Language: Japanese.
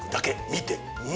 見て！